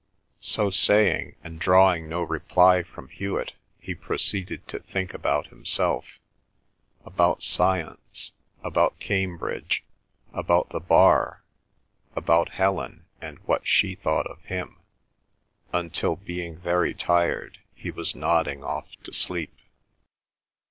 So saying, and drawing no reply from Hewet, he proceeded to think about himself, about science, about Cambridge, about the Bar, about Helen and what she thought of him, until, being very tired, he was nodding off to sleep.